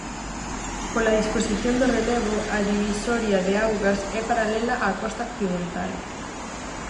Pola disposición do relevo, a divisoria de augas é paralela á costa occidental.